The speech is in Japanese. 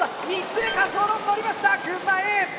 ３つ目滑走路にのりました群馬Ａ！